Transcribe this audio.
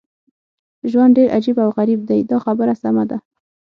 ژوند ډېر عجیب او غریب دی دا خبره سمه ده.